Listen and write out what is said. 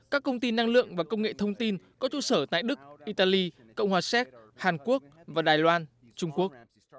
các công ty năng lượng và công nghệ thông tin có trụ sở tại đức italy cộng hòa séc hàn quốc và đài loan trung quốc